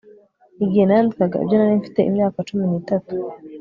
Igihe nandikaga ibyo nari mfite imyaka cumi nitatu